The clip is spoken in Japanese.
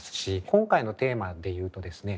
今回のテーマで言うとですね